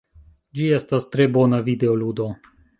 Ĝi estas tre bona videoludo.